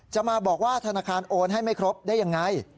จะมาบอกว่าธนาคารโอนให้ไม่ครบได้ยังไง